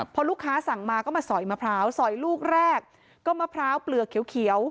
พอลูกค้าสั่งมาก็มาสอยมะพร้าวสอยลูกแรกก็มะพร้าวเปลือกเขียว